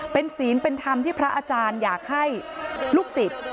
เป็นศีลเป็นธรรมที่พระอาจารย์อยากให้ลูกศิษย์